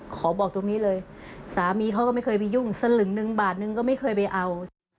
ขอบอกตรงนี้เลยสามีเขาก็ไม่เคยไปยุ่งสลึงหนึ่งบาทนึงก็ไม่เคยไปเอา